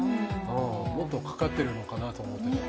もっとかかっているのかなと思ってた。